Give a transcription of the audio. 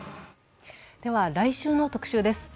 来週の特集です。